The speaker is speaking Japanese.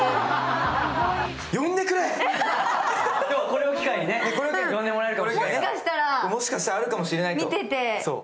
これを機会に、もしかしたらあるかもしれないと。